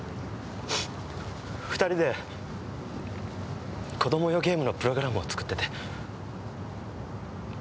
２人で子供用ゲームのプログラムを作ってて。